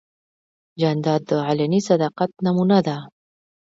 جانداد د علني صداقت نمونه ده.